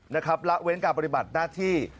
นะครับละเว้นการปฏิบัติหน้าที่